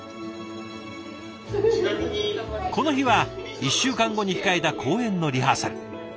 この日は１週間後に控えた講演のリハーサル。